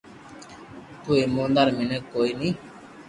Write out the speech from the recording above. تو ايموندار مينک ڪوئي ني